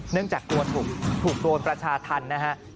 เนื่องจากกลัวถูกถูกโดนประชาธรรมนะฮะ